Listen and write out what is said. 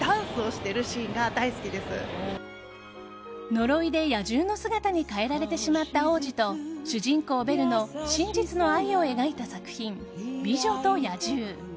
呪いで野獣の姿に変えられてしまった王子と主人公ベルの真実の愛を描いた作品「美女と野獣」。